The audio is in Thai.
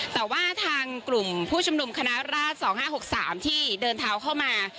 แต่ว่าทางกลุ่มผู้ชมนมคณะราชสองห้าหกสามที่เดินทางเข้ามา